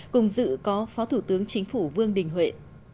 cùng dự có phó thủ tướng chính phủ vương đình huệ